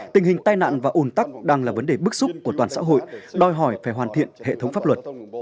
tình hình tai nạn và ồn tắc đang là vấn đề bức xúc của toàn xã hội đòi hỏi phải hoàn thiện hệ thống pháp luật